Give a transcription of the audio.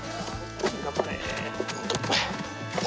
頑張れ。